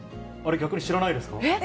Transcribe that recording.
逆に知らないんですか？